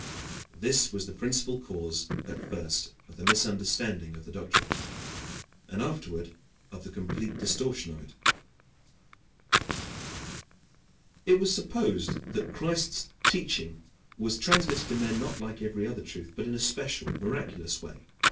This was the principal cause at first of the misunderstanding of the doctrine, and afterward of the complete distortion of it. It was supposed that Christ's teaching was transmitted to men not like every other truth, but in a special miraculous way.